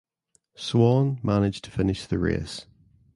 Swan managed to finish the race.